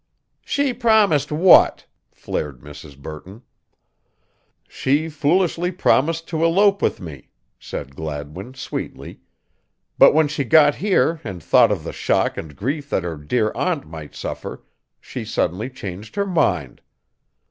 "She promised what?" flared Mrs. Burton. "She foolishly promised to elope with me," said Gladwin sweetly, "but when she got here and thought of the shock and grief that her dear aunt might suffer she suddenly changed her mind.